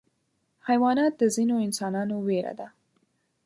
حیوانات د ځینو انسانانو ویره ده.